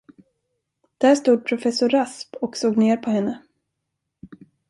Där stod professor Rasp och såg ner på henne.